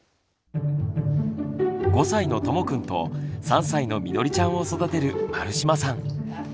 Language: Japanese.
５歳のともくんと３歳のみのりちゃんを育てる丸島さん。